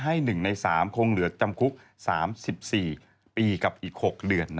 ให้๑ใน๓คงเหลือจำคุก๓๔ปีกับอีก๖เดือน